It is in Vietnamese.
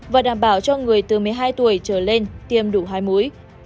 và đảm bảo cho người từ một mươi hai tuổi trở lên tiêm đủ hai mũi